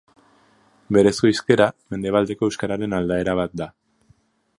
Berezko hizkera mendebaleko euskararen aldaera bat da.